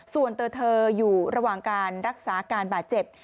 ส่วนตัวเธออยู่ระหว่างการรักษาอาการบาดเจ็บ